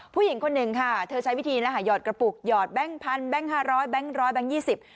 ผู้หญิงคนหนึ่งค่ะเธอใช้วิธีนะคะหยอดกระปุกหยอดแบงค์พันแบงค์ห้าร้อยแบงค์ร้อยแบงคยี่สิบ